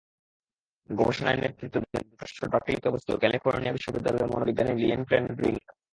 গবেষণায় নেতৃত্ব দেন যুক্তরাষ্ট্রের বার্কলিতে অবস্থিত ক্যালিফোর্নিয়া বিশ্ববিদ্যালয়ের মনোবিজ্ঞানী লিয়েন টেন ব্রিংক।